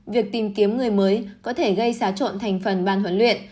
việc tìm kiếm người mới có thể gây xá trộn thành phần ban huấn luyện